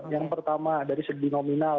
yang pertama dari segi nominal